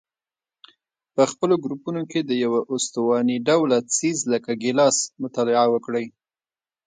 په خپلو ګروپونو کې د یوه استواني ډوله څیز لکه ګیلاس مطالعه وکړئ.